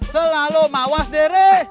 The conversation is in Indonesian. selalu mawas diri